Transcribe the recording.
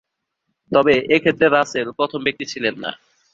তবে এ ক্ষেত্রে রাসেল প্রথম ব্যক্তি ছিলেন না।